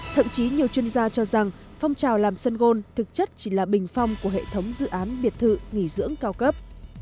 thậm chí nhiều chuyên gia cho rằng phong trào làm sân gôn thực chất chỉ là bình phong của hệ thống dự án biệt thự nghỉ dưỡng cao cấp